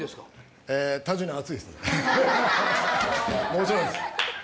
もちろんっす。